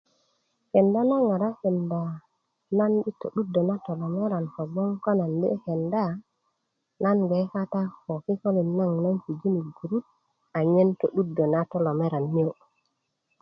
kenda na ŋarakinda nan i todudö na tolomerian ko gboŋ ko na 'yu kenda na gbé kata ko kikolin loŋ nan pujini gurut a nyen todutdá na tolomerian niyo